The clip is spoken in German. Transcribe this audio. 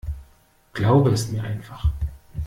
Glaube es mir einfach.